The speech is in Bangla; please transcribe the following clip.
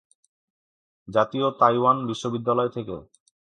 জাতীয় তাইওয়ান বিশ্ববিদ্যালয় থেকে।